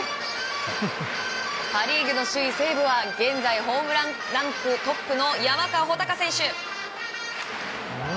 パ・リーグの首位、西武は現在ホームランランクトップの山川穂高選手！